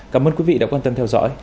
cảm ơn quý vị đã quan tâm theo dõi